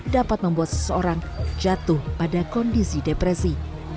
dapat membuat seseorang jatuh pada kondisi depresi